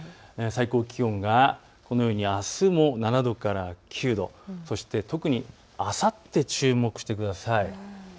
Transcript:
最高気温があすも７７度から９度、そして特に、あさって注目してください。